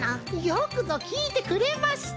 よくぞきいてくれました！